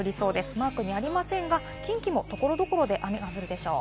マークにはありませんが近畿も所々で雨が降るでしょう。